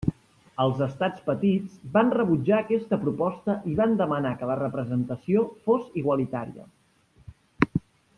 Els Estats petits van rebutjar aquesta proposta i van demanar que la representació fos igualitària.